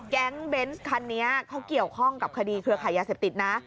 เบนส์คันนี้เขาเกี่ยวข้องกับคดีเครือขายยาเสพติดนะ